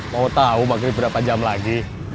mau tahu maghrib berapa jam lagi